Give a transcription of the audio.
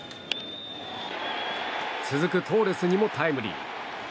続くトーレスにもタイムリー。